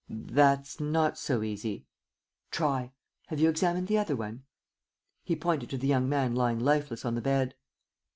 "That's not so easy." "Try. Have you examined the other one?" He pointed to the young man lying lifeless on the bed.